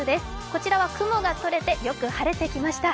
こちらは雲がとれてよく晴れてきました。